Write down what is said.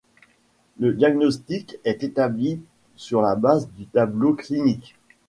Le diagnostic est établi sur la base du tableau clinique.